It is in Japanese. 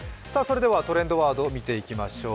トレンドワード、見てまいりましょう。